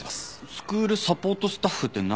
スクールサポートスタッフって何？